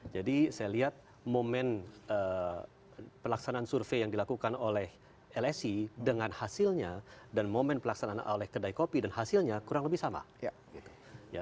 jadi saya lihat momen pelaksanaan survei yang dilakukan oleh lsi dengan hasilnya dan momen pelaksanaan oleh kedai kopi dan hasilnya kurang lebih sama